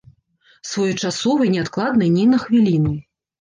Своечасовай, неадкладнай ні на хвіліну.